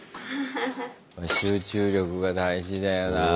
集中力が大事だよなぁ。